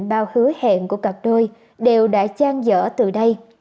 bao hứa hẹn của cặp đôi đều đã trang dở từ đây